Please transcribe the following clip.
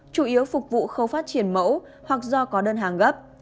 chủ yếu phục vụ khâu phát triển mẫu hoặc do có đơn hàng gấp